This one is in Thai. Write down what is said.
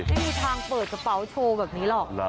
ไม่มีทางเปิดกระเป๋าโชว์แบบนี้หรอก